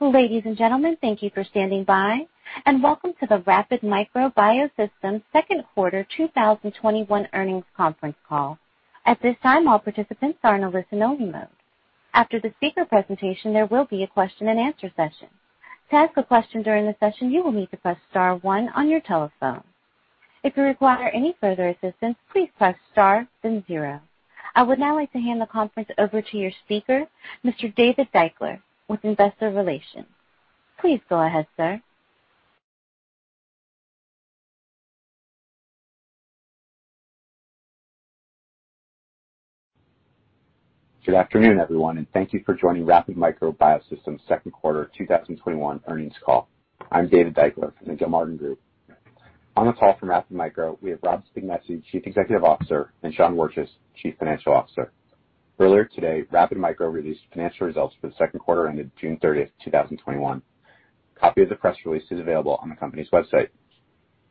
Ladies and gentlemen, thank you for standing by, and welcome to the Rapid Micro Biosystems Second Quarter 2021 Earnings Conference Call. At this time, all participants are in a listen only mode. After the speaker presentation, there will be a question and answer session. To ask a question during the session, you would need to press star one on your telephone. If you require any further assistance please press star then zero. I would now like to hand the conference over to your speaker, Mr. David Deuchler, with investor relations. Please go ahead, sir. Good afternoon, everyone. Thank you for joining Rapid Micro Biosystems Second Quarter 2021 Earnings Call. I'm David Deuchler from the Gilmartin Group. On the call from Rapid Micro, we have Robert Spignesi, Chief Executive Officer, and Sean Wirtjes, Chief Financial Officer. Earlier today, Rapid Micro released financial results for the second quarter ended June 30th, 2021. A copy of the press release is available on the company's website.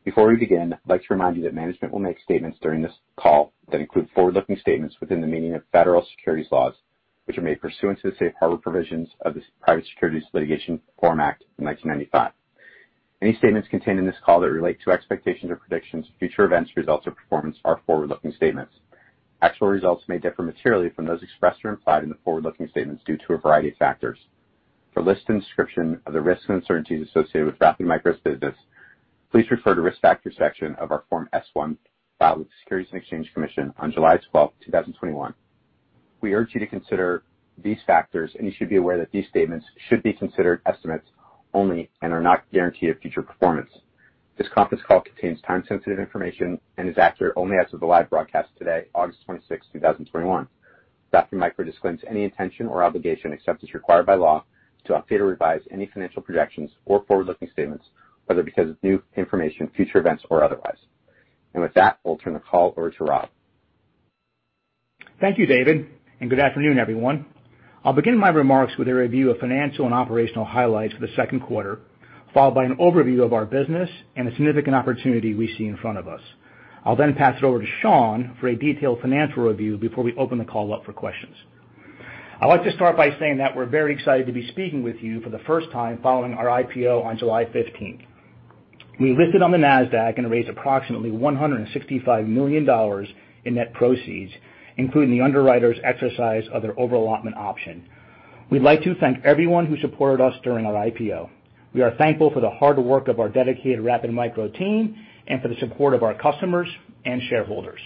Before we begin, I'd like to remind you that management will make statements during this call that include forward-looking statements within the meaning of federal securities laws, which are made pursuant to the safe harbor provisions of the Private Securities Litigation Reform Act of 1995. Any statements contained in this call that relate to expectations or predictions, future events, results or performance are forward-looking statements. Actual results may differ materially from those expressed or implied in the forward-looking statements due to a variety of factors. For list and description of the risks and uncertainties associated with Rapid Micro's business, please refer to risk factor section of our Form S-1 filed with the Securities and Exchange Commission on July 12, 2021. We urge you to consider these factors, and you should be aware that these statements should be considered estimates only and are not guarantee of future performance. This conference call contains time-sensitive information and is accurate only as of the live broadcast today, August 26, 2021. Rapid Micro disclaims any intention or obligation, except as required by law, to update or revise any financial projections or forward-looking statements, whether because of new information, future events or otherwise. With that, I'll turn the call over to Rob. Thank you, David, and good afternoon, everyone. I'll begin my remarks with a review of financial and operational highlights for the second quarter, followed by an overview of our business and the significant opportunity we see in front of us. I'll pass it over to Sean for a detailed financial review before we open the call up for questions. I'd like to start by saying that we're very excited to be speaking with you for the first time following our IPO on July 15th. We listed on the Nasdaq and raised approximately $165 million in net proceeds, including the underwriters exercise of their overallotment option. We'd like to thank everyone who supported us during our IPO. We are thankful for the hard work of our dedicated Rapid Micro team and for the support of our customers and shareholders.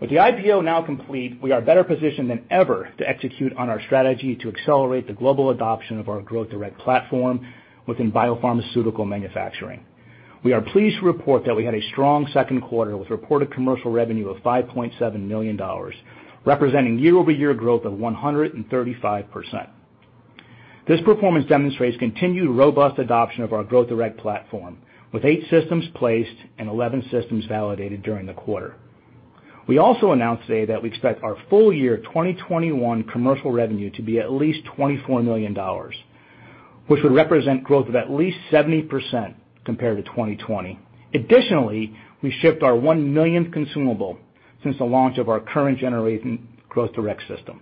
With the IPO now complete, we are better positioned than ever to execute on our strategy to accelerate the global adoption of our Growth Direct platform within biopharmaceutical manufacturing. We are pleased to report that we had a strong second quarter with reported commercial revenue of $5.7 million, representing year-over-year growth of 135%. This performance demonstrates continued robust adoption of our Growth Direct platform, with eight systems placed and 11 systems validated during the quarter. We also announced today that we expect our full year 2021 commercial revenue to be at least $24 million, which would represent growth of at least 70% compared to 2020. Additionally, we shipped our 1 millionth consumable since the launch of our current generation Growth Direct system.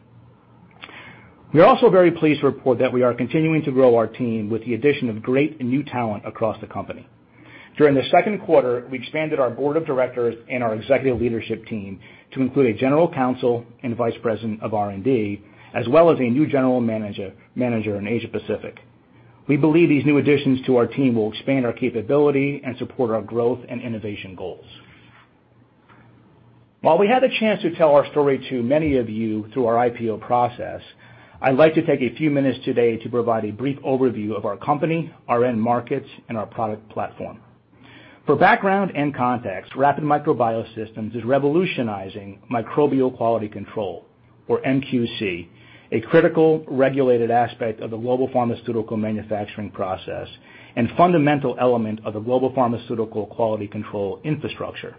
We are also very pleased to report that we are continuing to grow our team with the addition of great and new talent across the company. During the second quarter, we expanded our board of directors and our executive leadership team to include a General Counsel and Vice President of R&D, as well as a new General Manager in Asia Pacific. We believe these new additions to our team will expand our capability and support our growth and innovation goals. While we had the chance to tell our story to many of you through our IPO process, I'd like to take a few minutes today to provide a brief overview of our company, our end markets, and our product platform. For background and context, Rapid Micro Biosystems is revolutionizing Microbial Quality Control or MQC, a critical regulated aspect of the global pharmaceutical manufacturing process and fundamental element of the global pharmaceutical quality control infrastructure.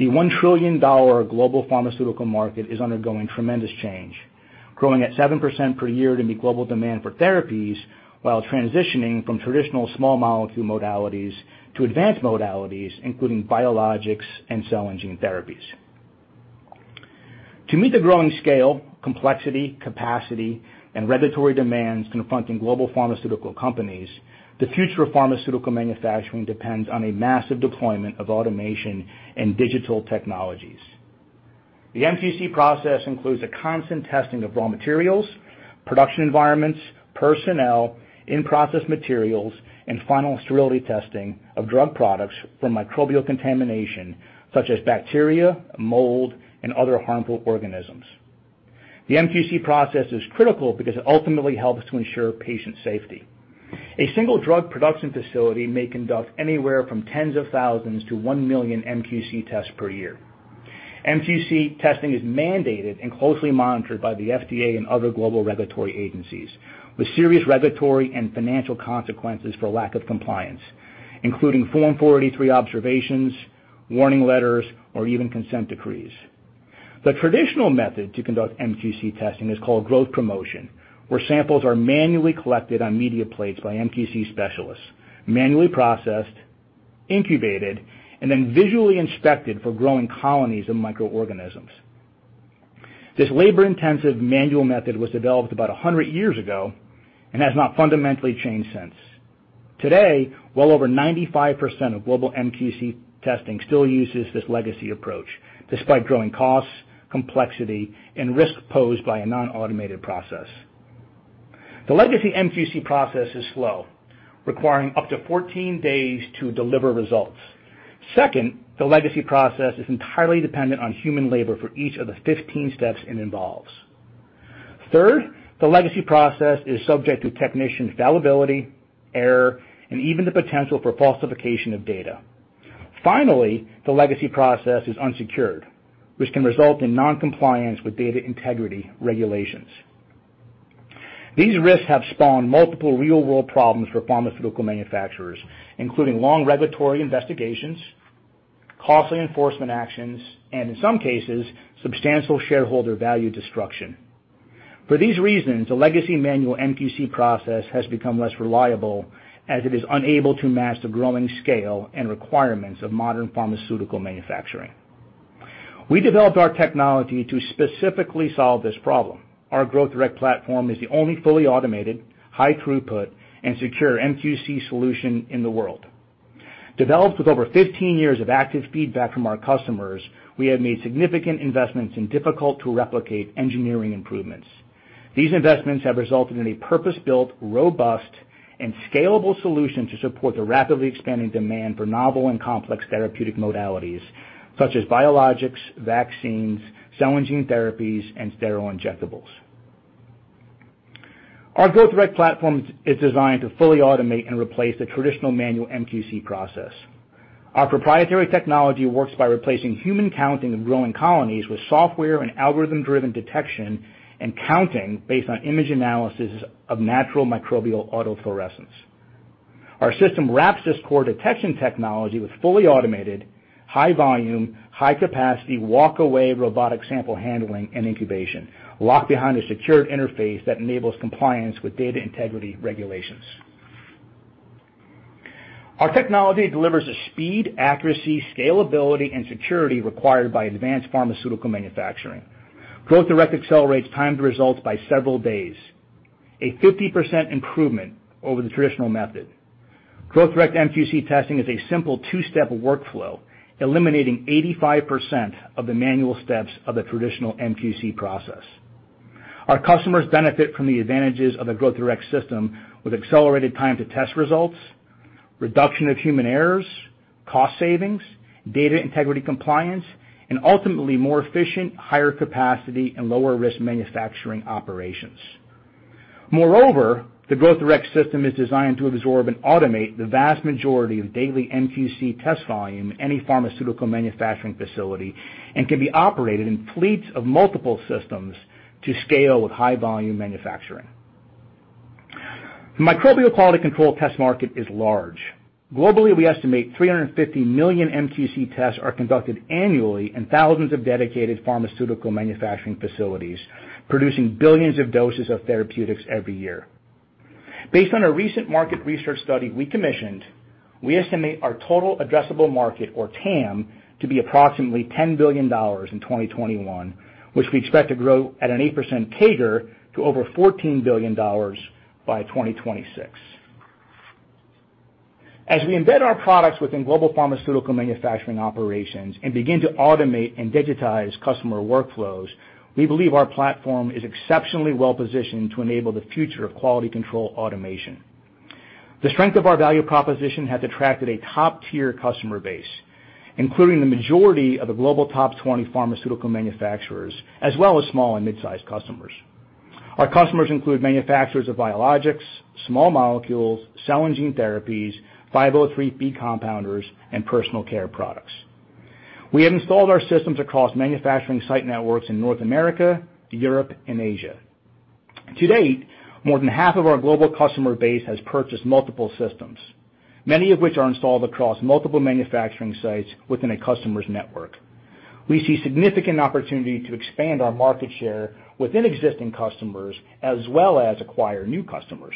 The $1 trillion global pharmaceutical market is undergoing tremendous change, growing at 7% per year to meet global demand for therapies while transitioning from traditional small molecule modalities to advanced modalities, including biologics and cell and gene therapies. To meet the growing scale, complexity, capacity, and regulatory demands confronting global pharmaceutical companies, the future of pharmaceutical manufacturing depends on a massive deployment of automation and digital technologies. The MQC process includes a constant testing of raw materials, production environments, personnel, in-process materials, and final sterility testing of drug products from microbial contamination such as bacteria, mold, and other harmful organisms. The MQC process is critical because it ultimately helps to ensure patient safety. A single drug production facility may conduct anywhere from tens of thousands to 1 million MQC tests per year. MQC testing is mandated and closely monitored by the FDA and other global regulatory agencies, with serious regulatory and financial consequences for lack of compliance, including Form 483 observations, warning letters, or even consent decrees. The traditional method to conduct MQC testing is called growth promotion, where samples are manually collected on media plates by MQC specialists, manually processed, incubated, and then visually inspected for growing colonies of microorganisms. This labor-intensive manual method was developed about 100 years ago and has not fundamentally changed since. Today, well over 95% of global MQC testing still uses this legacy approach, despite growing costs, complexity, and risk posed by a non-automated process. The legacy MQC process is slow, requiring up to 14 days to deliver results. Second, the legacy process is entirely dependent on human labor for each of the 15 steps it involves. Third, the legacy process is subject to technician fallibility, error, and even the potential for falsification of data. Finally, the legacy process is unsecured, which can result in non-compliance with data integrity regulations. These risks have spawned multiple real-world problems for pharmaceutical manufacturers, including long regulatory investigations, costly enforcement actions, and in some cases, substantial shareholder value destruction. For these reasons, the legacy manual MQC process has become less reliable as it is unable to mask the growing scale and requirements of modern pharmaceutical manufacturing. We developed our technology to specifically solve this problem. Our Growth Direct platform is the only fully automated, high throughput, and secure MQC solution in the world. Developed with over 15 years of active feedback from our customers, we have made significant investments in difficult-to-replicate engineering improvements. These investments have resulted in a purpose-built, robust, and scalable solution to support the rapidly expanding demand for novel and complex therapeutic modalities such as biologics, vaccines, cell and gene therapies, and sterile injectables. Our Growth Direct platform is designed to fully automate and replace the traditional manual MQC process. Our proprietary technology works by replacing human counting of growing colonies with software and algorithm-driven detection and counting based on image analysis of natural microbial autofluorescence. Our system wraps this core detection technology with fully automated, high volume, high capacity, walk away robotic sample handling and incubation, locked behind a secured interface that enables compliance with data integrity regulations. Our technology delivers the speed, accuracy, scalability, and security required by advanced pharmaceutical manufacturing. Growth Direct accelerates time to results by several days, a 50% improvement over the traditional method. Growth Direct MQC testing is a simple two-step workflow, eliminating 85% of the manual steps of the traditional MQC process. Our customers benefit from the advantages of the Growth Direct system with accelerated time to test results, reduction of human errors, cost savings, data integrity compliance, and ultimately more efficient, higher capacity, and lower risk manufacturing operations. Moreover, the Growth Direct system is designed to absorb and automate the vast majority of daily MQC test volume in any pharmaceutical manufacturing facility, and can be operated in fleets of multiple systems to scale with high volume manufacturing. The microbial quality control test market is large. Globally, we estimate 350 million MQC tests are conducted annually in thousands of dedicated pharmaceutical manufacturing facilities, producing billions of doses of therapeutics every year. Based on a recent market research study we commissioned, we estimate our total addressable market, or TAM, to be approximately $10 billion in 2021, which we expect to grow at an 8% CAGR to over $14 billion by 2026. As we embed our products within global pharmaceutical manufacturing operations and begin to automate and digitize customer workflows, we believe our platform is exceptionally well-positioned to enable the future of quality control automation. The strength of our value proposition has attracted a top-tier customer base, including the majority of the global top 20 pharmaceutical manufacturers, as well as small and mid-sized customers. Our customers include manufacturers of biologics, small molecules, cell and gene therapies, 503B compounders, and personal care products. We have installed our systems across manufacturing site networks in North America, Europe, and Asia. To date, more than half of our global customer base has purchased multiple systems, many of which are installed across multiple manufacturing sites within a customer's network. We see significant opportunity to expand our market share within existing customers, as well as acquire new customers.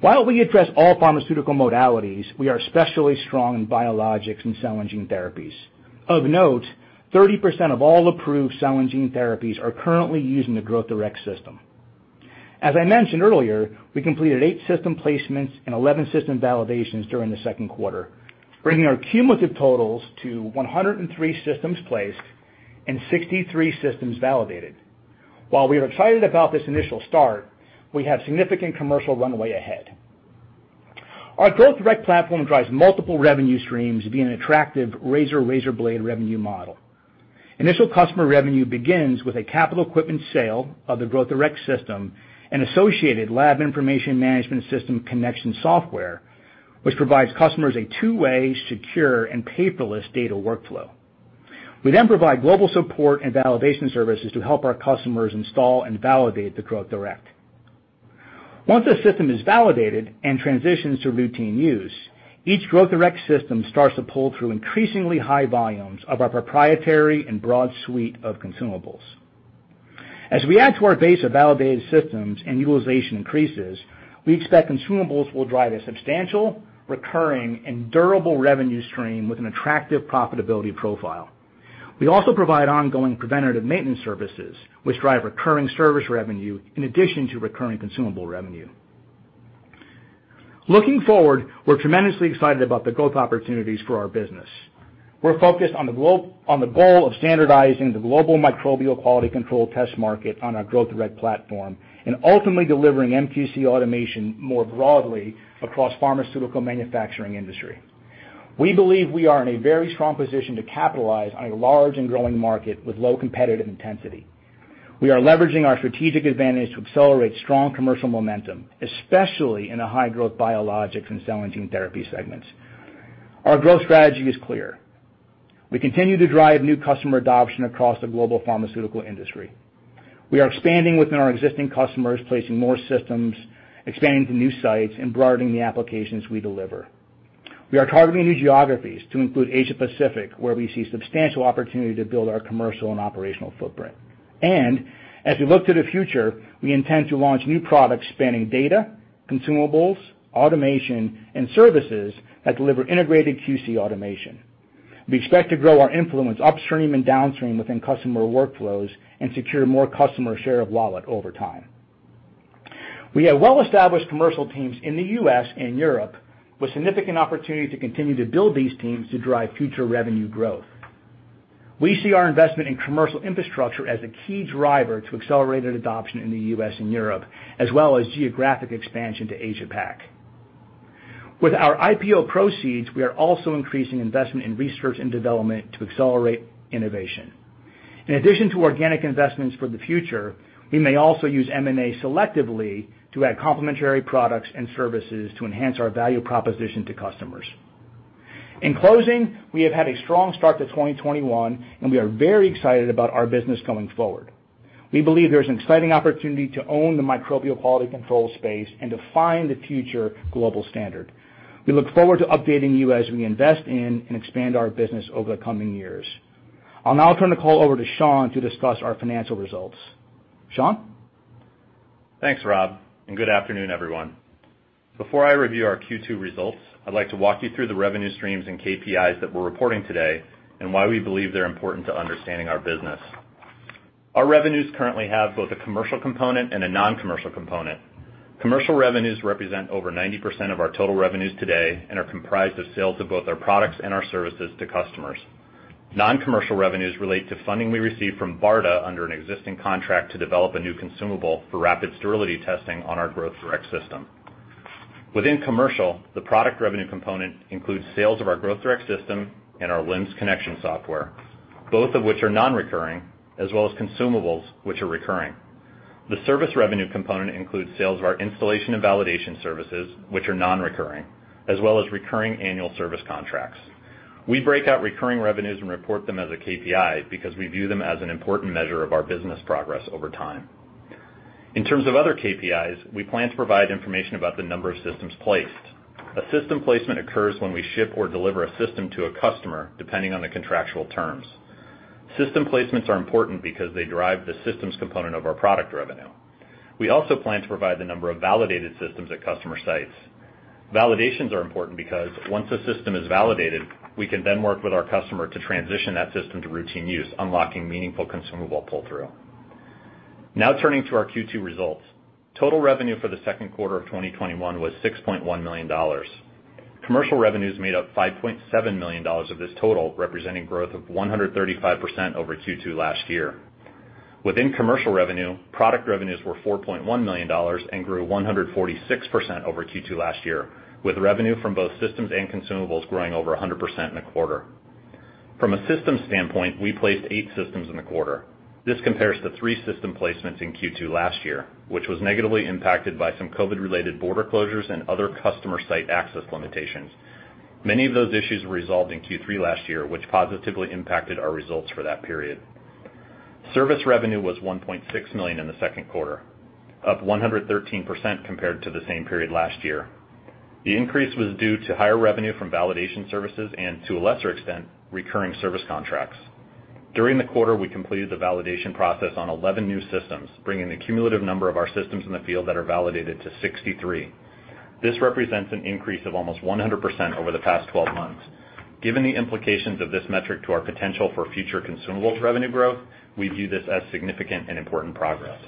While we address all pharmaceutical modalities, we are especially strong in biologics and cell and gene therapies. Of note, 30% of all approved cell and gene therapies are currently using the Growth Direct system. As I mentioned earlier, we completed eight system placements and 11 system validations during the second quarter, bringing our cumulative totals to 103 systems placed and 63 systems validated. While we are excited about this initial start, we have significant commercial runway ahead. Our Growth Direct platform drives multiple revenue streams via an attractive razor-razorblade revenue model. Initial customer revenue begins with a capital equipment sale of the Growth Direct system and associated Laboratory Information Management System connection software, which provides customers a two-way, secure, and paperless data workflow. We then provide global support and validation services to help our customers install and validate the Growth Direct. Once a system is validated and transitions to routine use, each Growth Direct system starts to pull through increasingly high volumes of our proprietary and broad suite of consumables. As we add to our base of validated systems and utilization increases, we expect consumables will drive a substantial, recurring and durable revenue stream with an attractive profitability profile. We also provide ongoing preventative maintenance services, which drive recurring service revenue in addition to recurring consumable revenue. Looking forward, we're tremendously excited about the growth opportunities for our business. We're focused on the goal of standardizing the global microbial quality control test market on our Growth Direct platform, and ultimately delivering MQC automation more broadly across pharmaceutical manufacturing industry. We believe we are in a very strong position to capitalize on a large and growing market with low competitive intensity. We are leveraging our strategic advantage to accelerate strong commercial momentum, especially in the high-growth biologics and cell and gene therapy segments. Our growth strategy is clear. We continue to drive new customer adoption across the global pharmaceutical industry. We are expanding within our existing customers, placing more systems, expanding to new sites, and broadening the applications we deliver. We are targeting new geographies to include Asia-Pacific, where we see substantial opportunity to build our commercial and operational footprint. As we look to the future, we intend to launch new products spanning data, consumables, automation and services that deliver integrated QC automation. We expect to grow our influence upstream and downstream within customer workflows and secure more customer share of wallet over time. We have well-established commercial teams in the U.S. and Europe, with significant opportunity to continue to build these teams to drive future revenue growth. We see our investment in commercial infrastructure as a key driver to accelerated adoption in the U.S. and Europe, as well as geographic expansion to Asia Pac. With our IPO proceeds, we are also increasing investment in research and development to accelerate innovation. In addition to organic investments for the future, we may also use M&A selectively to add complementary products and services to enhance our value proposition to customers. In closing, we have had a strong start to 2021, and we are very excited about our business going forward. We believe there's an exciting opportunity to own the Microbial Quality Control space and define the future global standard. We look forward to updating you as we invest in and expand our business over the coming years. I'll now turn the call over to Sean to discuss our financial results. Sean? Thanks, Rob, and good afternoon, everyone. Before I review our Q2 results, I'd like to walk you through the revenue streams and KPIs that we're reporting today and why we believe they're important to understanding our business. Our revenues currently have both a commercial component and a non-commercial component. Commercial revenues represent over 90% of our total revenues today and are comprised of sales of both our products and our services to customers. Non-commercial revenues relate to funding we receive from BARDA under an existing contract to develop a new consumable for rapid sterility testing on our Growth Direct system. Within commercial, the product revenue component includes sales of our Growth Direct system and our LIMS connection software, both of which are non-recurring, as well as consumables, which are recurring. The service revenue component includes sales of our installation and validation services, which are non-recurring, as well as recurring annual service contracts. We break out recurring revenues and report them as a KPI because we view them as an important measure of our business progress over time. In terms of other KPIs, we plan to provide information about the number of systems placed. A system placement occurs when we ship or deliver a system to a customer, depending on the contractual terms. System placements are important because they drive the systems component of our product revenue. We also plan to provide the number of validated systems at customer sites. Validations are important because once a system is validated, we can then work with our customer to transition that system to routine use, unlocking meaningful consumable pull-through. Now turning to our Q2 results. Total revenue for the second quarter of 2021 was $6.1 million. Commercial revenues made up $5.7 million of this total, representing growth of 135% over Q2 last year. Within commercial revenue, product revenues were $4.1 million and grew 146% over Q2 last year, with revenue from both systems and consumables growing over 100% in a quarter. From a systems standpoint, we placed eight systems in the quarter. This compares to three system placements in Q2 last year, which was negatively impacted by some COVID-related border closures and other customer site access limitations. Many of those issues were resolved in Q3 last year, which positively impacted our results for that period. Service revenue was $1.6 million in the second quarter, up 113% compared to the same period last year. The increase was due to higher revenue from validation services and, to a lesser extent, recurring service contracts. During the quarter, we completed the validation process on 11 new systems, bringing the cumulative number of our systems in the field that are validated to 63. This represents an increase of almost 100% over the past 12 months. Given the implications of this metric to our potential for future consumables revenue growth, we view this as significant and important progress.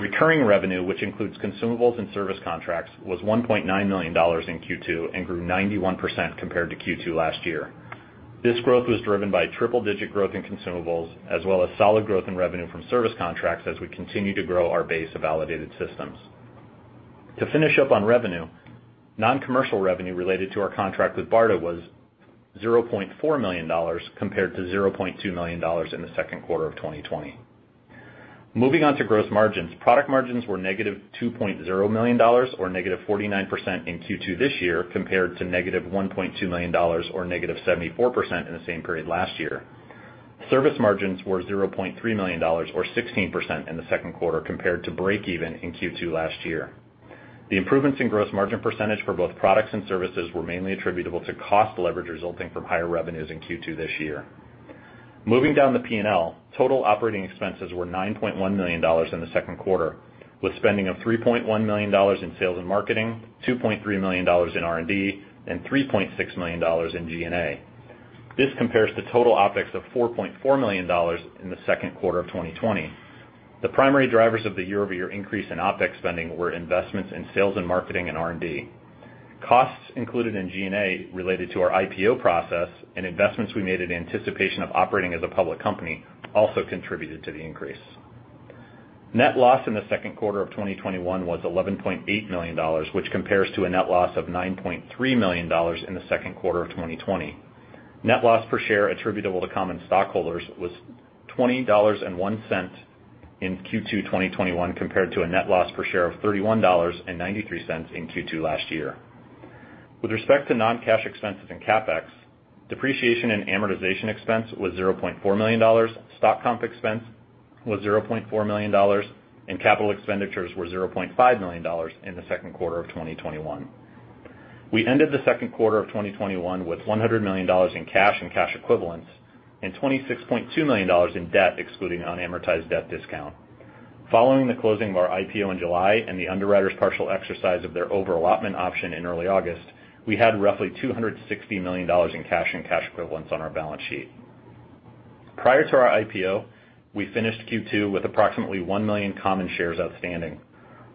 Recurring revenue, which includes consumables and service contracts, was $1.9 million in Q2 and grew 91% compared to Q2 last year. This growth was driven by triple-digit growth in consumables, as well as solid growth in revenue from service contracts as we continue to grow our base of validated systems. To finish up on revenue, non-commercial revenue related to our contract with BARDA was $0.4 million compared to $0.2 million in the second quarter of 2020. Moving on to gross margins. Product margins were -$2.0 million or -49% in Q2 this year compared to -$1.2 million or -74% in the same period last year. Service margins were $0.3 million or 16% in the second quarter compared to break even in Q2 last year. The improvements in gross margin percentage for both products and services were mainly attributable to cost leverage resulting from higher revenues in Q2 this year. Moving down the P&L, total operating expenses were $9.1 million in the second quarter, with spending of $3.1 million in sales and marketing, $2.3 million in R&D, and $3.6 million in G&A. This compares to total OpEx of $4.4 million in the second quarter of 2020. The primary drivers of the year-over-year increase in OpEx spending were investments in sales and marketing and R&D. Costs included in G&A related to our IPO process and investments we made in anticipation of operating as a public company also contributed to the increase. Net loss in the second quarter of 2021 was $11.8 million, which compares to a net loss of $9.3 million in the second quarter of 2020. Net loss per share attributable to common stockholders was $20.01 in Q2 2021 compared to a net loss per share of $31.93 in Q2 last year. With respect to non-cash expenses and CapEx, depreciation and amortization expense was $0.4 million, stock comp expense was $0.4 million, and capital expenditures were $0.5 million in the second quarter of 2021. We ended the second quarter of 2021 with $100 million in cash and cash equivalents and $26.2 million in debt, excluding unamortized debt discount. Following the closing of our IPO in July and the underwriters' partial exercise of their over-allotment option in early August, we had roughly $260 million in cash and cash equivalents on our balance sheet. Prior to our IPO, we finished Q2 with approximately 1 million common shares outstanding.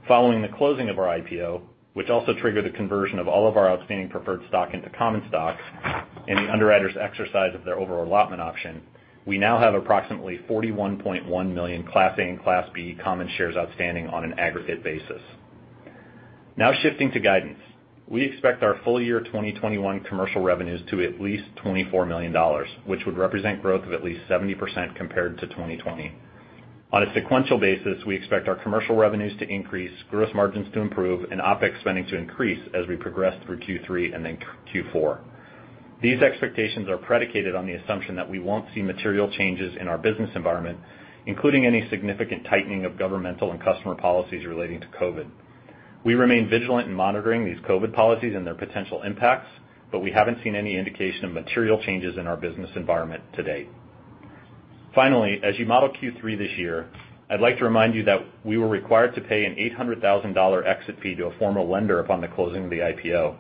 Following the closing of our IPO, which also triggered a conversion of all of our outstanding preferred stock into common stocks and the underwriters' exercise of their over-allotment option, we now have approximately 41.1 million Class A and Class B common shares outstanding on an aggregate basis. Now, shifting to guidance. We expect our full year 2021 commercial revenues to at least $24 million, which would represent growth of at least 70% compared to 2020. On a sequential basis, we expect our commercial revenues to increase, gross margins to improve, and OpEx spending to increase as we progress through Q3 and then Q4. These expectations are predicated on the assumption that we won't see material changes in our business environment, including any significant tightening of governmental and customer policies relating to COVID. We remain vigilant in monitoring these COVID policies and their potential impacts, but we haven't seen any indication of material changes in our business environment to date. Finally, as you model Q3 this year, I'd like to remind you that we were required to pay an $800,000 exit fee to a former lender upon the closing of the IPO.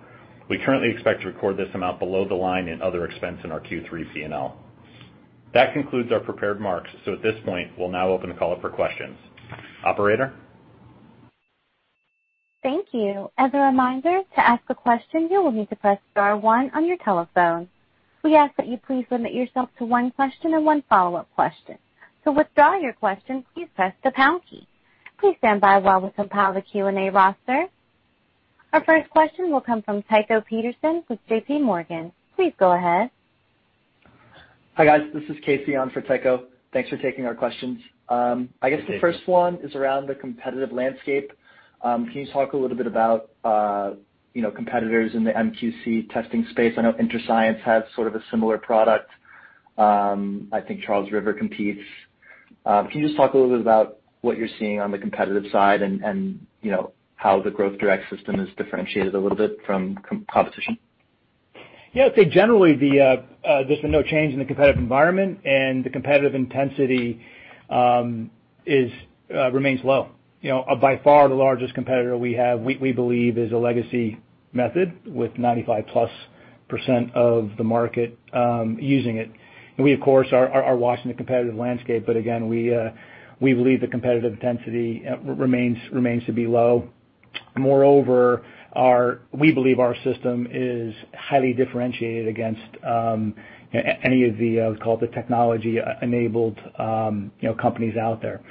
We currently expect to record this amount below the line in other expense in our Q3 P&L. That concludes our prepared remarks. At this point, we'll now open the call up for questions. Operator? Thank you. As a reminder to ask a question you would need to press star one on your telephone keypad. We ask that you please limit yourself to one question and one follow-up. To withdraw your question, please press the pound key. Please standby while we compile our Q&A roster. Our first question will come from Tycho Peterson with J.P. Morgan. Please go ahead. Hi, guys. This is Casey on for Tycho. Thanks for taking our questions. I guess the first one is around the competitive landscape. Can you talk a little bit about, you know, competitors in the MQC testing space? I know Interscience has sort of a similar product. I think Charles River competes. Can you just talk a little bit about what you're seeing on the competitive side and, you know, how the Growth Direct System is differentiated a little bit from competition? Yeah, I'd say generally there's been no change in the competitive environment and the competitive intensity remains low. You know, by far the largest competitor we have, we believe is a legacy method with 95%+ of the market using it. We, of course, are watching the competitive landscape, but again, we believe the competitive intensity remains to be low. Moreover, we believe our system is highly differentiated against any of the, we call it the technology enabled, you know, companies out there.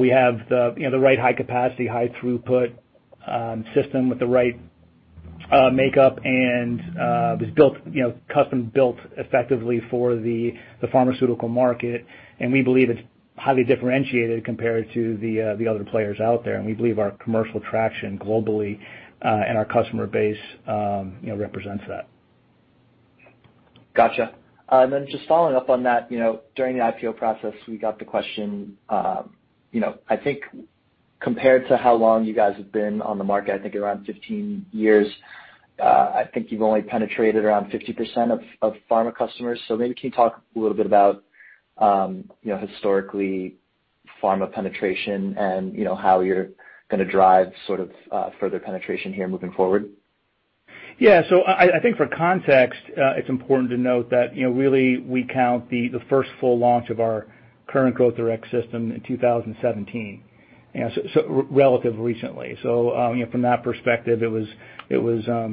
We have the, you know, the right high capacity, high throughput, system with the right, makeup and, was built, you know, custom-built effectively for the pharmaceutical market, and we believe it's highly differentiated compared to the other players out there, and we believe our commercial traction globally, and our customer base, you know, represents that. Gotcha. Just following up on that, you know, during the IPO process, we got the question, you know, I think compared to how long you guys have been on the market, I think around 15 years, I think you've only penetrated around 50% of pharma customers. Maybe can you talk a little bit about, you know, historically pharma penetration and, you know, how you're gonna drive sort of further penetration here moving forward? Yeah. I think for context, it's important to note that, you know, really we count the first full launch of our current Growth Direct System in 2017, you know, relatively recently. You know, from that perspective, it was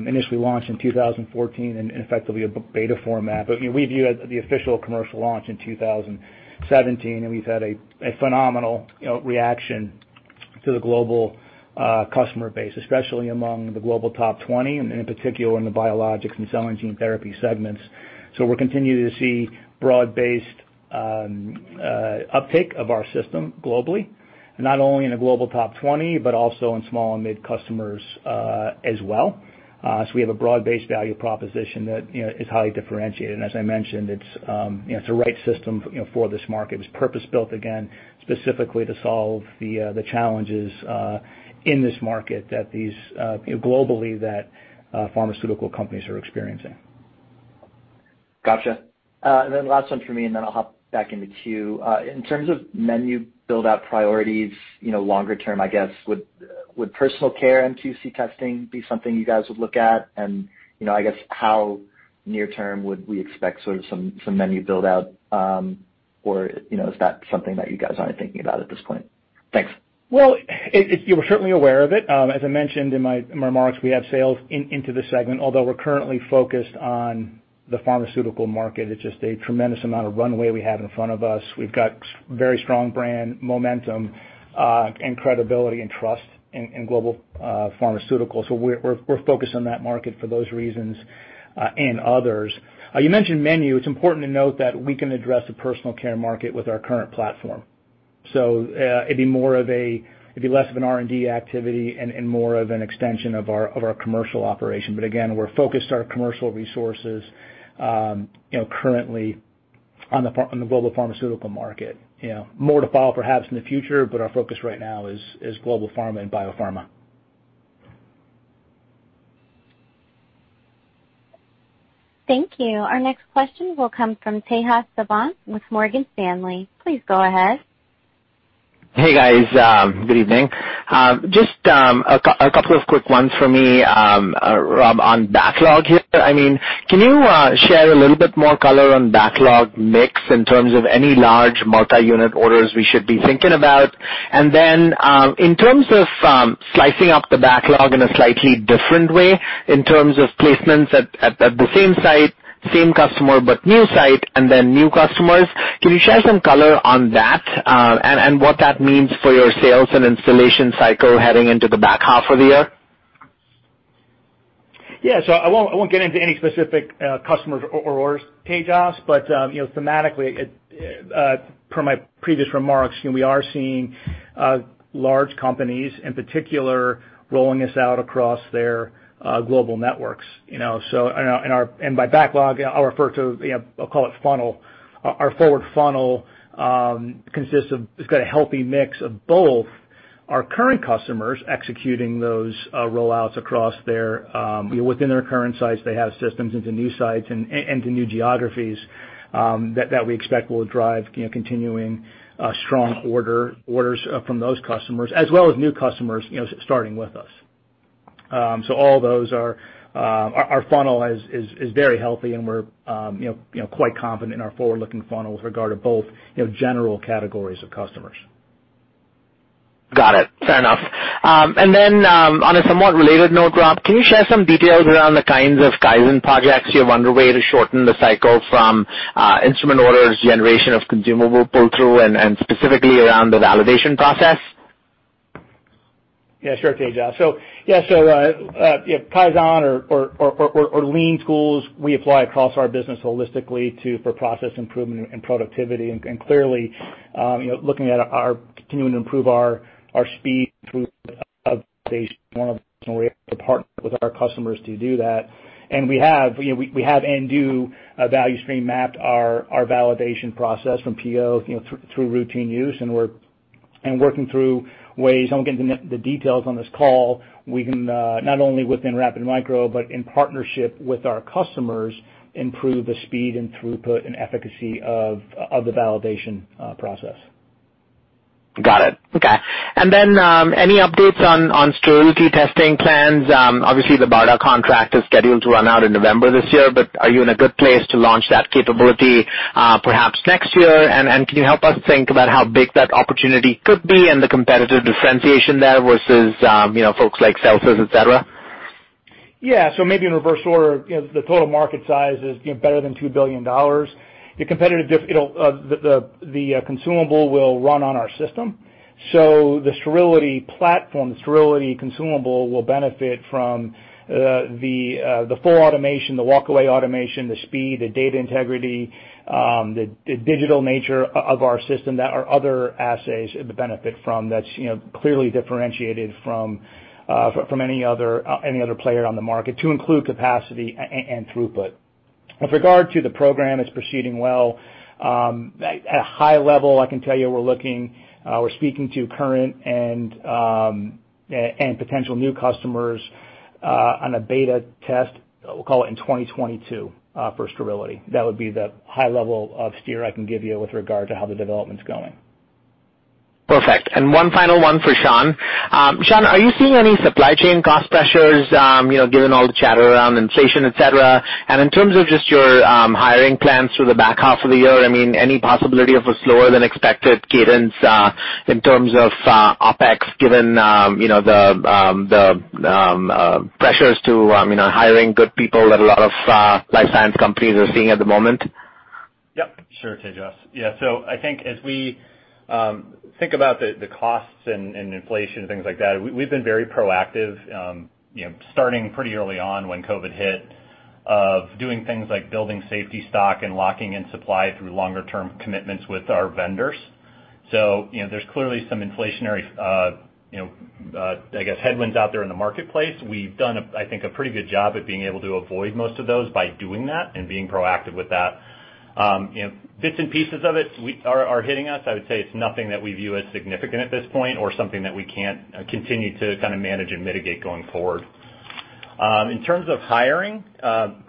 initially launched in 2014 in effectively a beta format. I mean, we view it the official commercial launch in 2017, and we've had a phenomenal, you know, reaction to the global customer base, especially among the global top 20 and in particular in the biologics and cell and gene therapy segments. We're continuing to see broad-based uptake of our system globally, not only in the global top 20 but also in small and mid customers as well. We have a broad-based value proposition that, you know, is highly differentiated. As I mentioned, it's, you know, it's the right system, you know, for this market. It was purpose-built, again, specifically to solve the challenges in this market that these, you know, globally that pharmaceutical companies are experiencing. Gotcha. Last one for me, and then I'll hop back into queue. In terms of menu build-out priorities, you know, longer term, I guess, would personal care MQC testing be something you guys would look at? You know, I guess how near term would we expect sort of some menu build-out, or, you know, is that something that you guys aren't thinking about at this point? Thanks. We're certainly aware of it. As I mentioned in my remarks, we have sales into the segment. Although we're currently focused on the pharmaceutical market, it's just a tremendous amount of runway we have in front of us. We've got very strong brand momentum and credibility and trust in global pharmaceuticals. We're focused on that market for those reasons and others. You mentioned menu. It's important to note that we can address the personal care market with our current platform. It'd be less of an R&D activity and more of an extension of our commercial operation. Again, we're focused our commercial resources, you know, currently on the global pharmaceutical market. You know, more to follow perhaps in the future, but our focus right now is global pharma and biopharma. Thank you. Our next question will come from Tejas Savant with Morgan Stanley. Please go ahead. Hey, guys, good evening. Just a couple of quick ones for me, Rob, on backlog here. I mean, can you share a little bit more color on backlog mix in terms of any large multi-unit orders we should be thinking about? Then, in terms of slicing up the backlog in a slightly different way, in terms of placements at the same site, same customer, but new site, and then new customers, can you share some color on that, and what that means for your sales and installation cycle heading into the back half of the year? Yeah. I won't get into any specific customers or orders, Tejas, but, you know, thematically, it, per my previous remarks, you know, we are seeing large companies, in particular, rolling us out across their global networks, you know. And by backlog, I'll refer to, you know, I'll call it funnel. Our forward funnel consists of, it's got a healthy mix of both our current customers executing those rollouts across their, you know, within their current sites, they have systems into new sites and to new geographies that we expect will drive, you know, continuing strong orders from those customers, as well as new customers, you know, starting with us. All those are, our funnel is very healthy and we're, you know, quite confident in our forward-looking funnel with regard to both, you know, general categories of customers. Got it. Fair enough. On a somewhat related note, Rob, can you share some details around the kinds of Kaizen projects you have underway to shorten the cycle from instrument orders, generation of consumable pull-through, and specifically around the validation process? Yeah, sure, Tejas. Yeah, you know, Kaizen or lean tools we apply across our business holistically to, for process improvement and productivity. Clearly, you know, looking at our, continuing to improve our speed through [base one of], and we're able to partner with our customers to do that. We have, you know, we have and do a value stream mapped our validation process from PO, you know, through routine use. We're, and working through ways, I won't get into the details on this call, we can not only within Rapid Micro, but in partnership with our customers, improve the speed and throughput and efficacy of the validation process. Got it. Okay. Any updates on sterility testing plans? Obviously the BARDA contract is scheduled to run out in November this year, but are you in a good place to launch that capability perhaps next year? Can you help us think about how big that opportunity could be and the competitive differentiation there versus, you know, folks like Celsis, et cetera? Yeah. Maybe in reverse order, you know, the total market size is, you know, better than $2 billion. The competitive diff, it'll, the consumable will run on our system. The sterility platform, the sterility consumable will benefit from the full automation, the walkaway automation, the speed, the data integrity, the digital nature of our system that our other assays benefit from that's, you know, clearly differentiated from any other, any other player on the market to include capacity and throughput. With regard to the program, it's proceeding well. At a high level, I can tell you we're looking, we're speaking to current and potential new customers on a beta test, we'll call it in 2022 for sterility. That would be the high level of steer I can give you with regard to how the development's going. Perfect. One final one for Sean. Sean, are you seeing any supply chain cost pressures, you know, given all the chatter around inflation, et cetera? In terms of just your hiring plans through the back half of the year, I mean, any possibility of a slower than expected cadence in terms of OpEx given, you know, the pressures to, you know, hiring good people that a lot of life science companies are seeing at the moment? Yep, sure, Tejas. Yeah. I think as we think about the costs and inflation and things like that, we've been very proactive, you know, starting pretty early on when COVID hit, of doing things like building safety stock and locking in supply through longer term commitments with our vendors. You know, there's clearly some inflationary, you know, I guess headwinds out there in the marketplace. We've done, I think, a pretty good job at being able to avoid most of those by doing that and being proactive with that. You know, bits and pieces of it are hitting us. I would say it's nothing that we view as significant at this point or something that we can't continue to kind of manage and mitigate going forward. In terms of hiring,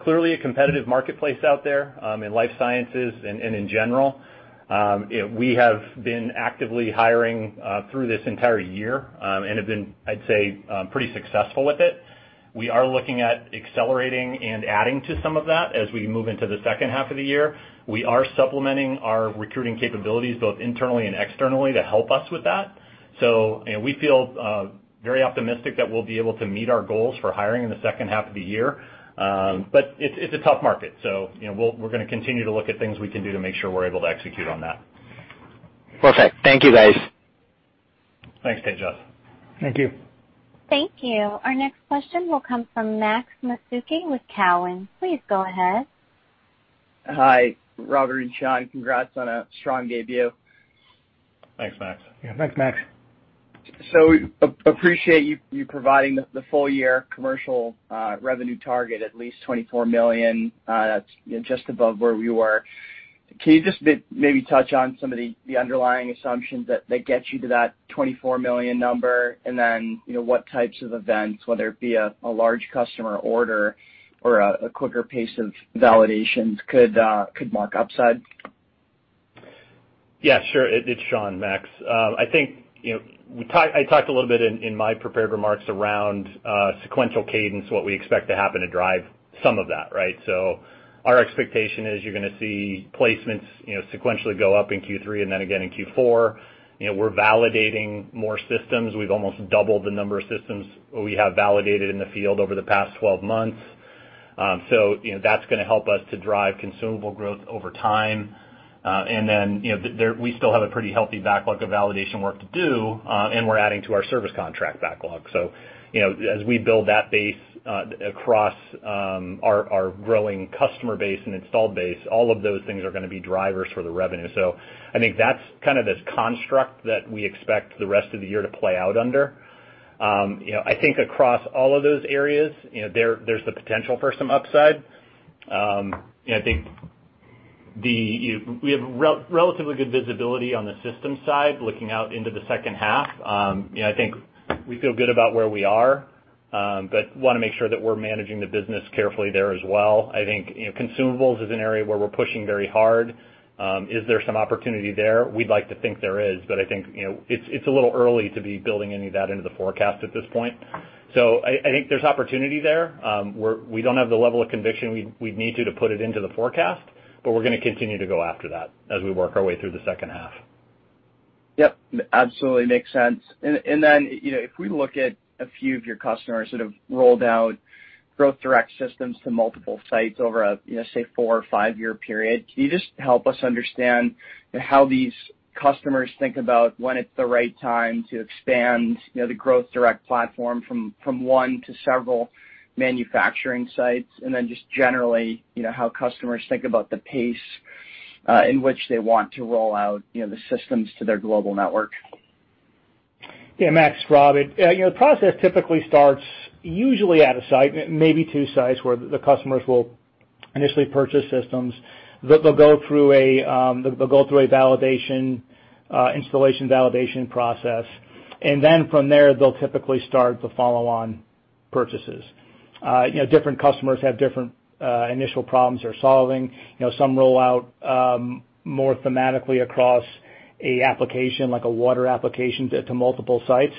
clearly a competitive marketplace out there, in life sciences and in general. We have been actively hiring through this entire year, and have been, I'd say, pretty successful with it. We are looking at accelerating and adding to some of that as we move into the second half of the year. We are supplementing our recruiting capabilities both internally and externally to help us with that. You know, we feel very optimistic that we'll be able to meet our goals for hiring in the second half of the year. It's a tough market. You know, we're gonna continue to look at things we can do to make sure we're able to execute on that. Perfect. Thank you, guys. Thanks, Tejas. Thank you. Thank you. Our next question will come from Max Masucci with Cowen. Please go ahead. Hi, Robert and Sean. Congrats on a strong debut. Thanks, Max. Yeah, thanks, Max. Appreciate you providing the full year commercial revenue target, at least $24 million. That's, you know, just above where we were. Can you just maybe touch on some of the underlying assumptions that get you to that $24 million number? What types of events, whether it be a large customer order or a quicker pace of validations could mark upside? Yeah, sure. It, it's Sean, Max. I think, you know, I talked a little bit in my prepared remarks around sequential cadence, what we expect to happen to drive some of that, right? Our expectation is you're gonna see placements, you know, sequentially go up in Q3 and then again in Q4. You know, we're validating more systems. We've almost doubled the number of systems we have validated in the field over the past 12 months. You know, that's gonna help us to drive consumable growth over time. You know, we still have a pretty healthy backlog of validation work to do, and we're adding to our service contract backlog. You know, as we build that base, across our growing customer base and installed base, all of those things are gonna be drivers for the revenue. I think that's kind of this construct that we expect the rest of the year to play out under. you know, I think across all of those areas, you know, there's the potential for some upside. you know, I think the, we have relatively good visibility on the systems side looking out into the second half. you know, I think we feel good about where we are, but wanna make sure that we're managing the business carefully there as well. I think, you know, consumables is an area where we're pushing very hard. Is there some opportunity there? We'd like to think there is, but I think, you know, it's a little early to be building any of that into the forecast at this point. I think there's opportunity there. We don't have the level of conviction we'd need to put it into the forecast, but we're gonna continue to go after that as we work our way through the second half. Yep, absolutely makes sense. Then, you know, if we look at a few of your customers that have rolled out Growth Direct systems to multiple sites over a, you know, say, four or five-year period, can you just help us understand how these customers think about when it's the right time to expand, you know, the Growth Direct platform from one to several manufacturing sites? Then just generally, you know, how customers think about the pace in which they want to roll out, you know, the systems to their global network. Yeah, Max, Rob, it, you know, the process typically starts usually at a site, maybe two sites, where the customers will initially purchase systems. They'll go through a, they'll go through a validation, installation validation process, then from there, they'll typically start the follow-on purchases. You know, different customers have different initial problems they're solving. You know, some roll out more thematically across a application like a water application to multiple sites,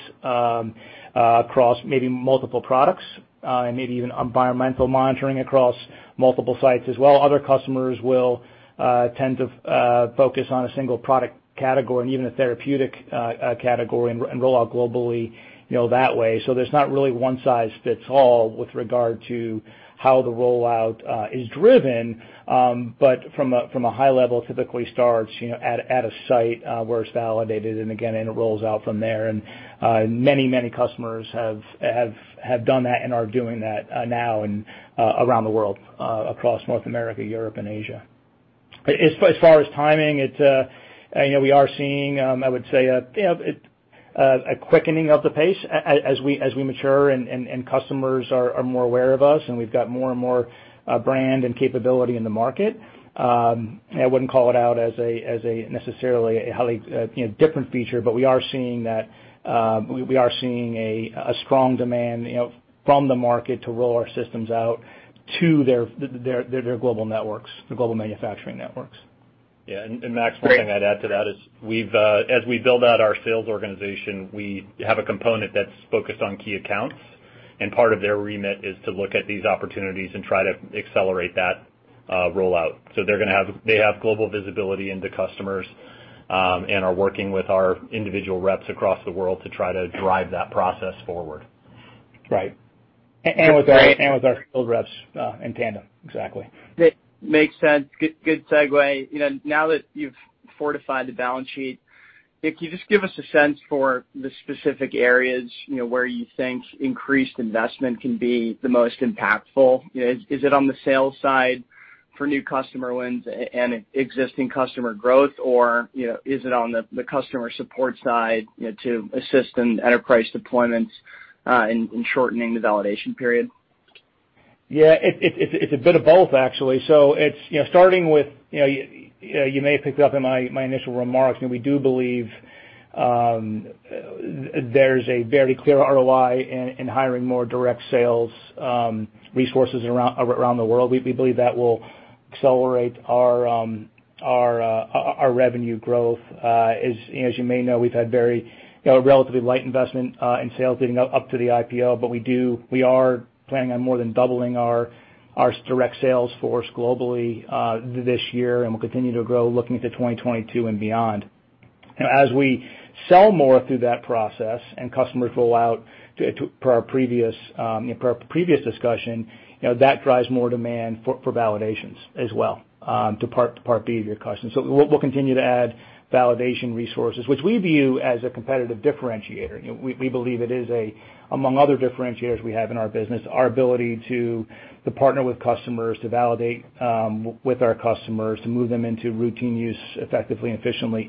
across maybe multiple products, maybe even environmental monitoring across multiple sites as well. Other customers will tend to focus on a single product category and even a therapeutic category and roll out globally, you know, that way. There's not really one size fits all with regard to how the rollout is driven. From a high level, typically starts, you know, at a site, where it's validated and, again, and it rolls out from there. Many customers have done that and are doing that, now and, around the world, across North America, Europe and Asia. As far as timing, it's, you know, we are seeing, I would say, a, you know, a quickening of the pace as we, as we mature and customers are more aware of us and we've got more and more brand and capability in the market. I wouldn't call it out as a necessarily a highly, you know, different feature, but we are seeing that, we are seeing a strong demand, you know, from the market to roll our systems out to their global networks, the global manufacturing networks. Yeah. Max. Great. One thing I'd add to that is we've, as we build out our sales organization, we have a component that's focused on key accounts, and part of their remit is to look at these opportunities and try to accelerate that rollout. They have global visibility into customers, and are working with our individual reps across the world to try to drive that process forward. Right. With our field reps, in tandem. Exactly. That makes sense. Good segue. You know, now that you've fortified the balance sheet, can you just give us a sense for the specific areas, you know, where you think increased investment can be the most impactful? You know, is it on the sales side for new customer wins and existing customer growth? Or, you know, is it on the customer support side, you know, to assist in enterprise deployments in shortening the validation period? Yeah, it's a bit of both, actually. Starting with, you may have picked up in my initial remarks, and we do believe, there's a very clear ROI in hiring more direct sales resources around the world. We believe that will accelerate our revenue growth. As you may know, we've had very relatively light investment in sales leading up to the IPO, but we are planning on more than doubling our direct sales force globally this year, and we'll continue to grow looking into 2022 and beyond. As we sell more through that process and customers roll out per our previous discussion, you know, that drives more demand for validations as well, to part B of your question. We'll continue to add validation resources, which we view as a competitive differentiator. You know, we believe it is among other differentiators we have in our business, our ability to partner with customers, to validate with our customers, to move them into routine use effectively and efficiently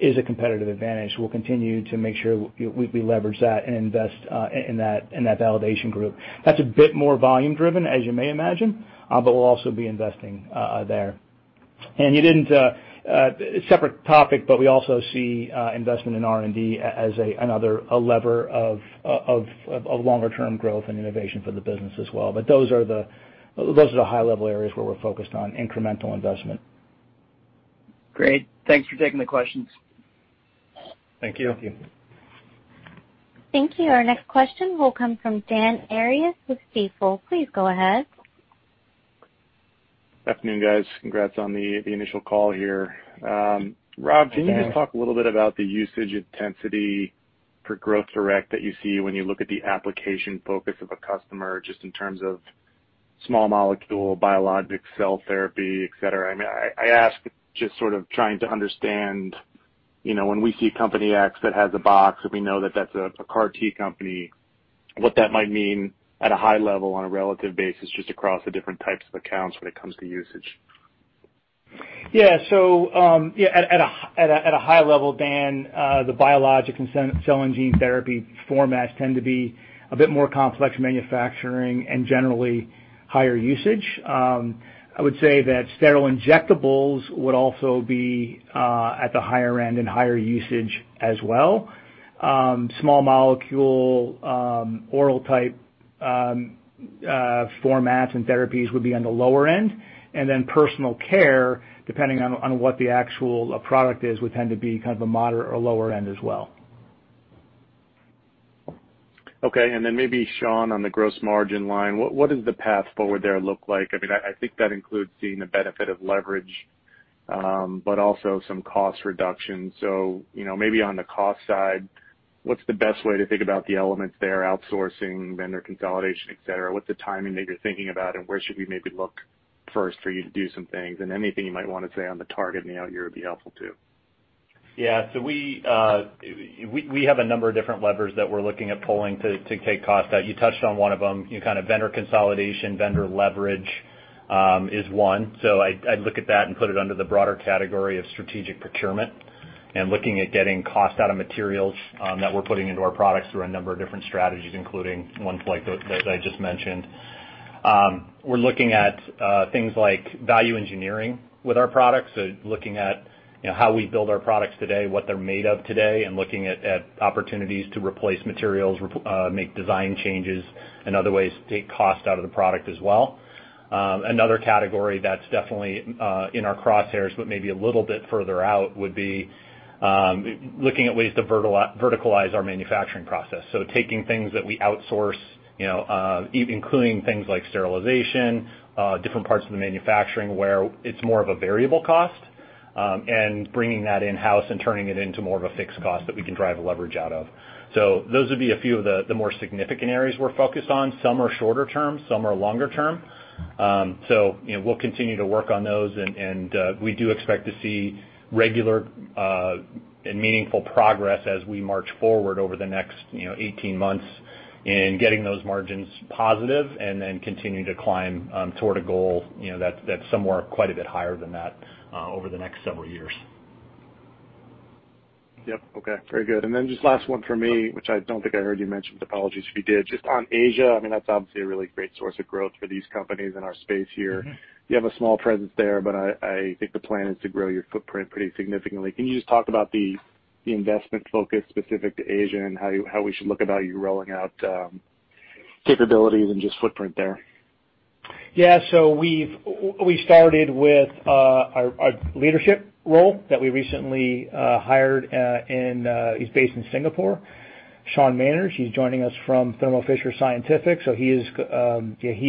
is a competitive advantage. We'll continue to make sure we leverage that and invest in that validation group. That's a bit more volume-driven, as you may imagine, but we'll also be investing there. Separate topic, but we also see investment in R&D as another lever of longer term growth and innovation for the business as well. Those are the high level areas where we're focused on incremental investment. Great. Thanks for taking the questions. Thank you. Thank you. Thank you. Our next question will come from Dan Arias with Stifel. Please go ahead. Afternoon, guys. Congrats on the initial call here. Thanks, Dan. Can you just talk a little bit about the usage intensity for Growth Direct that you see when you look at the application focus of a customer, just in terms of small molecule, biologic cell therapy, et cetera? I mean, I ask just sort of trying to understand, you know, when we see company X that has a box, and we know that that's a CAR-T company, what that might mean at a high level on a relative basis, just across the different types of accounts when it comes to usage. Yeah, at a high level, Dan, the biologic and cell and gene therapy formats tend to be a bit more complex manufacturing and generally higher usage. I would say that sterile injectables would also be at the higher end and higher usage as well. Small molecule, oral type, formats and therapies would be on the lower end. Personal care, depending on what the actual product is, would tend to be kind of a moderate or lower end as well. Maybe, Sean, on the gross margin line, what does the path forward there look like? I mean, I think that includes seeing the benefit of leverage, but also some cost reduction. You know, maybe on the cost side, what's the best way to think about the elements there, outsourcing, vendor consolidation, et cetera? What's the timing that you're thinking about, and where should we maybe look first for you to do some things? Anything you might want to say on the target in the out year would be helpful too. We have a number of different levers that we're looking at pulling to take cost out. You touched on one of them, you know, kind of vendor consolidation, vendor leverage, is one. I look at that and put it under the broader category of strategic procurement and looking at getting cost out of materials that we're putting into our products through a number of different strategies, including ones like those I just mentioned. We're looking at things like value engineering with our products. Looking at, you know, how we build our products today, what they're made of today, and looking at opportunities to replace materials, make design changes and other ways to take cost out of the product as well. Another category that's definitely in our crosshairs, but maybe a little bit further out, would be looking at ways to verticalize our manufacturing process. Taking things that we outsource, including things like sterilization, different parts of the manufacturing where it's more of a variable cost, and bringing that in-house and turning it into more of a fixed cost that we can drive leverage out of. Those would be a few of the more significant areas we're focused on. Some are shorter term, some are longer term. You know, we'll continue to work on those and we do expect to see regular and meaningful progress as we march forward over the next, you know, 18 months in getting those margins positive and then continuing to climb, toward a goal, you know, that's somewhere quite a bit higher than that over the next several years. Yep. Okay. Very good. Then just last one for me, which I don't think I heard you mention, apologies if you did. Just on Asia, I mean, that's obviously a really great source of growth for these companies in our space here. You have a small presence there, but I think the plan is to grow your footprint pretty significantly. Can you just talk about the investment focus specific to Asia and how you, how we should look about you rolling out capabilities and just footprint there? We've started with our leadership role that we recently hired in he's based in Singapore, Sean Manners. He's joining us from Thermo Fisher Scientific. He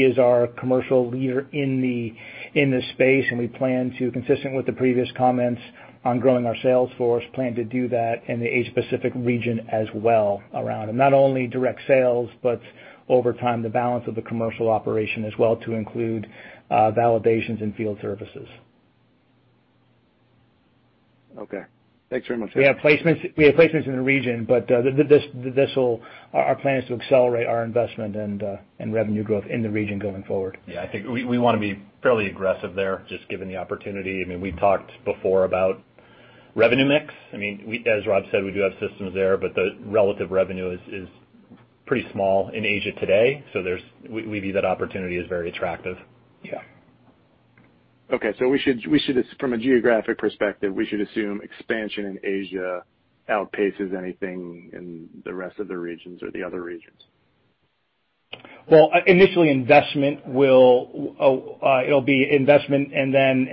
is our commercial leader in the space, and we plan to, consistent with the previous comments on growing our sales force, plan to do that in the Asia Pacific region as well around, and not only direct sales, but over time, the balance of the commercial operation as well to include validations and field services. Okay. Thanks very much. We have placements in the region. Our plan is to accelerate our investment and revenue growth in the region going forward. I think we wanna be fairly aggressive there, just given the opportunity. I mean, we talked before about revenue mix. I mean, as Rob said, we do have systems there, but the relative revenue is pretty small in Asia today. There's we view that opportunity as very attractive. Yeah. Okay. We should from a geographic perspective, we should assume expansion in Asia outpaces anything in the rest of the regions or the other regions? Initially, investment will, it'll be investment and then,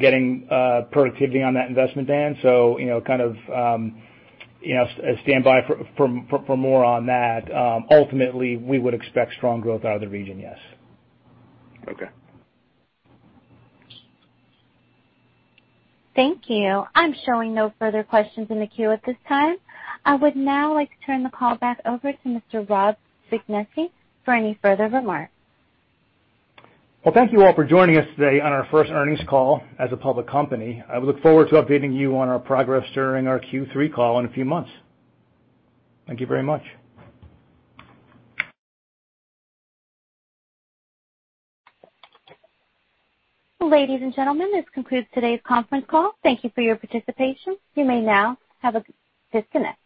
getting productivity on that investment, Dan. You know, kind of, you know, stand by for more on that. Ultimately, we would expect strong growth out of the region, yes. Okay. Thank you. I'm showing no further questions in the queue at this time. I would now like to turn the call back over to Mr. Robert Spignesi for any further remarks. Well, thank you all for joining us today on our first earnings call as a public company. I look forward to updating you on our progress during our Q3 call in a few months. Thank you very much. Ladies and gentlemen, this concludes today's conference call. Thank you for your participation. You may now have a disconnect.